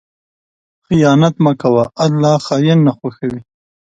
خیانت مه کوه، الله خائن نه خوښوي.